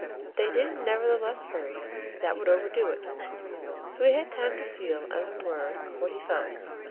They didn't nevertheless hurry that would overdo it; so he had time to feel, as it were, what he felt.